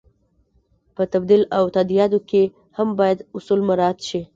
په تبدیل او تادیاتو کې هم باید اصول مراعت شي.